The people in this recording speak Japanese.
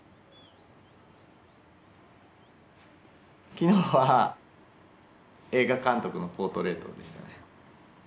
昨日は映画監督のポートレートでしたね。